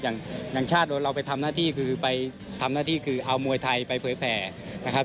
อย่างชาติเราไปทำหน้าที่คือเอามวยไทยไปเผยแผ่นะครับ